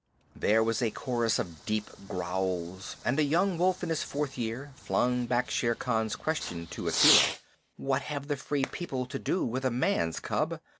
There was a chorus of deep growls, and a young wolf in his fourth year flung back Shere Khan's question to Akela: "What have the Free People to do with a man's cub?"